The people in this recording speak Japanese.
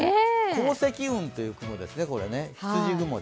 高積雲という雲ですね。